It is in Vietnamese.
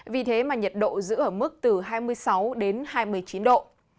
vì thế mà nhiệt độ giữ ở mức từ hai mươi sáu đến hai mươi chín độ